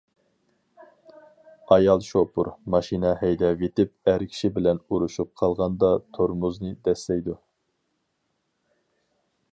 ئايال شوپۇر: ماشىنا ھەيدەۋېتىپ ئەر كىشى بىلەن ئۇرۇشۇپ قالغاندا تورمۇزنى دەسسەيدۇ.